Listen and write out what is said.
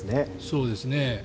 そうですね。